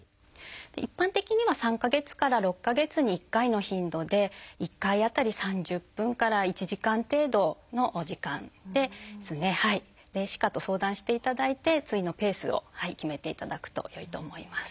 一般的には３か月から６か月に１回の頻度で１回当たり３０分から１時間程度のお時間ですね歯科と相談していただいて次のペースを決めていただくとよいと思います。